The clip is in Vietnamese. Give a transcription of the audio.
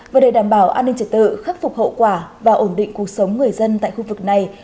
và để đảm bảo an ninh trật tự khắc phục hậu quả và ổn định cuộc sống người dân tại khu vực này